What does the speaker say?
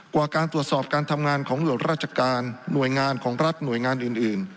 กว่าการตรวจสอบการทำงานของหน่วยราชการหน่วยงานของรัฐหน่วยงานอื่น